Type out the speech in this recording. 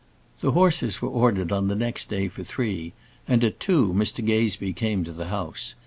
The horses were ordered on the next day for three, and, at two, Mr Gazebee came to the house.